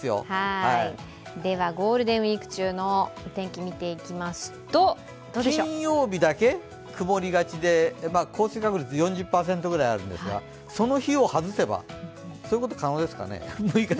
では、ゴールデンウイーク中のお天気を見ていきますと、どうでしょう金曜日だけ、曇りがちで降水確率４０％くらいあるんですがその日を外せば、そういうことは可能ですかね？